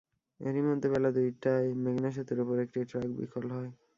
এরই মধ্যে বেলা দুইটায় মেঘনা সেতুর ওপর একটি ট্রাক বিকল হয়।